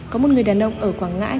có một người đàn ông ở quảng ngãi